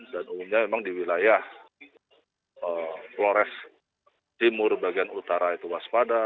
dan umumnya memang di wilayah flores timur bagian utara itu waspada